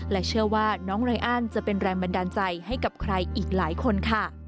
เชื่อว่าน้องไรอันจะเป็นแรงบันดาลใจให้กับใครอีกหลายคนค่ะ